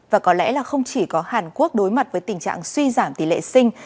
và có lẽ là không chỉ có hàn quốc đối mặt với tình trạng suy giảm tỷ lệ sinh